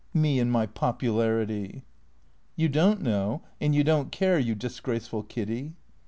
Me and my popularity !"" You don't know, and 3'ou don't care, you disgraceful Kiddy."